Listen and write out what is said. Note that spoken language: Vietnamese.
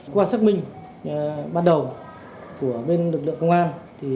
qua xác minh ban đầu của bên lực lượng công an